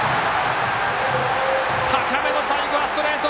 高めの最後はストレート。